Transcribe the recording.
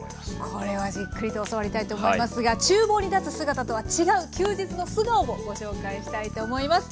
これはじっくりと教わりたいと思いますがちゅう房に立つ姿とは違う休日の素顔をご紹介したいと思います。